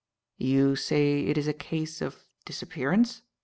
"You say it is a case of disappearance?"